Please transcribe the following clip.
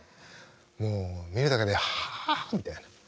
もう見るだけではあみたいな。